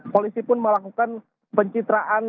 polisi pun melakukan pencitraan